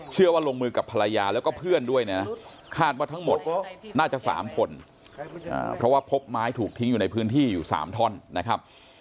ลงมือกับภรรยาแล้วก็เพื่อนด้วยนะคาดว่าทั้งหมดน่าจะ๓คนเพราะว่าพบไม้ถูกทิ้งอยู่ในพื้นที่อยู่๓ท่อนนะครับ